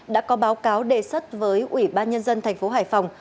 đã có báo cáo đề xuất với ủy ban nhân dân thành phố hải phòng